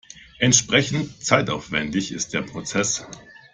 Entsprechend zeitaufwendig ist der Prozess.